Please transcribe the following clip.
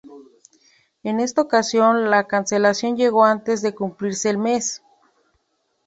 En esta ocasión, la cancelación llegó antes de cumplirse el mes.